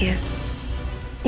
iya dia suami saya